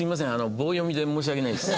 棒読みで申し訳ないです。